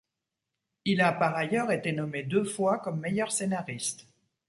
Il a, par ailleurs, été nommé deux fois comme meilleur scénariste.